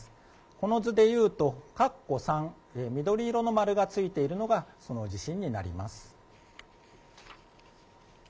この図でいうと、かっこ３緑色の丸がついているのが、その地震になります。